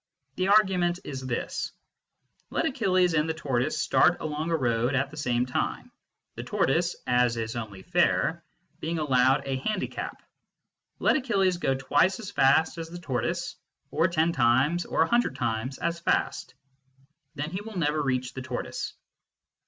The argument is this : Let Achilles and the tortoise start along a road at the same time, the tortoise (as is only fair) being allowed a handicap. Let Achilles go twice as fast as the tortoise, or ten times or a hundred times as fast. Then he will never reach the tortoise.